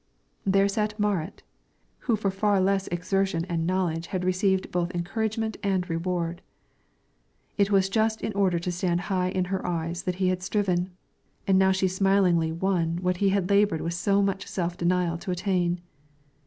There sat Marit, who for far less exertion and knowledge had received both encouragement and reward; it was just in order to stand high in her eyes that he had striven, and now she smilingly won what he had labored with so much self denial to attain.